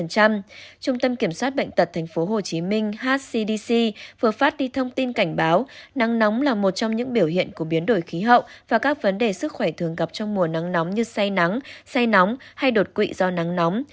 trung tâm kiểm soát bệnh tật tp hcm hcdc vừa phát đi thông tin cảnh báo nắng nóng là một trong những biểu hiện của biến đổi khí hậu và các vấn đề sức khỏe thường gặp trong mùa nắng nóng như say nắng say nóng hay đột quỵ do nắng nóng